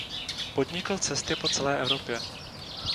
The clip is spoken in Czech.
Podnikl cesty po celé Evropě.